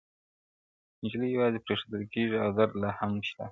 نجلۍ يوازې پرېښودل کيږي او درد لا هم شته-